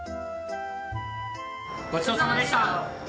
「ごちそうさまでした」。